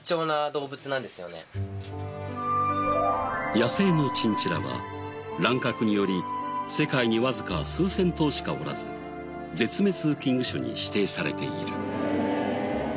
野生のチンチラは乱獲により世界にわずか数千頭しかおらず絶滅危惧種に指定されている。